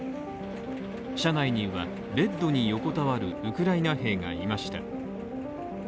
車内にはベッドに横たわるウクライナ兵がいました。